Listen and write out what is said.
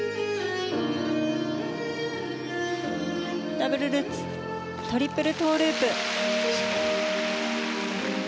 ダブルルッツトリプルトウループ。